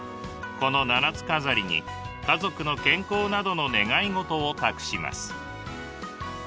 この七つ飾りに家族の健康などの願い事を託します。